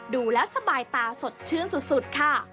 ดูแล้วสบายตาสดชื่นสุดค่ะ